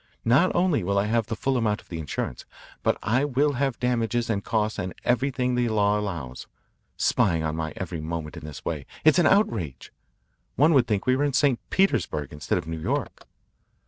Not only will I have the full amount of the insurance, but I will have damages and costs and everything the law allows. Spying on my every movement in this way it is an outrage! One would think we were in St. Petersburg instead of New York."